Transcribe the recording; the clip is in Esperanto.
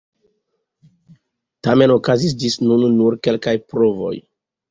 Tamen okazis ĝis nun nur kelkaj provoj.